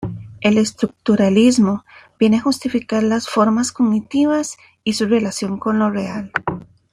El estructuralismo viene a justificar las formas cognitivas y su relación con lo real.